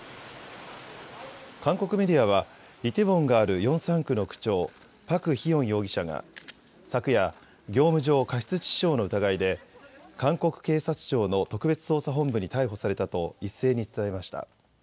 韓国メディアはイテウォンがあるヨンサン区の区長、パク・ヒヨン容疑者が昨夜、業務上過失致死傷の疑いで韓国警察庁の特別捜査本部に逮捕されたと一斉に伝えました。